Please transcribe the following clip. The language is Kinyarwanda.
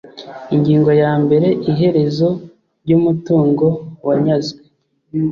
Ingingo yambere Iherezo ry umutungo wanyazwe